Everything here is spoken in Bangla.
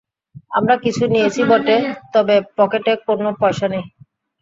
আমরা কিছু নিয়েছি বটে তবে পকেটে কোনও পয়সা নেই।